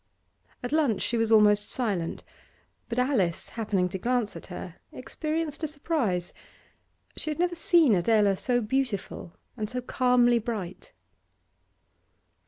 At lunch she was almost silent, but Alice, happening to glance at her, experienced a surprise; she had never seen Adela so beautiful and so calmly bright.